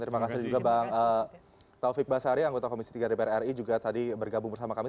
terima kasih juga bang taufik basari anggota komisi tiga dpr ri juga tadi bergabung bersama kami